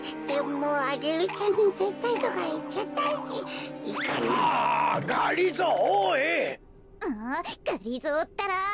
もうがりぞーったら！